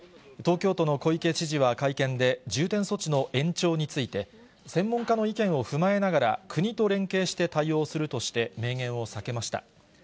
東京都の小池知事は会見で、重点措置の延長について、専門家の意見を踏まえながら、国と連携して対応するとして、明言を避けました。